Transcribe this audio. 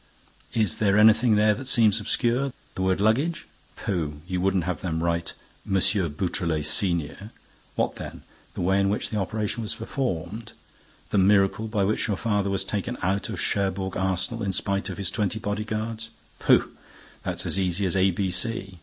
Is there anything there that seems obscure? The word 'luggage'? Pooh, you wouldn't have them write 'M. Beautrelet, senior'! What then? The way in which the operation was performed? The miracle by which your father was taken out of Cherbourg Arsenal, in spite of his twenty body guards? Pooh, it's as easy as A B C!